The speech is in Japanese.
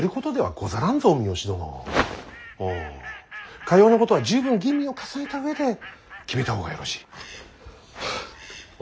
うんかようなことは十分吟味を重ねた上で決めた方がよろしい。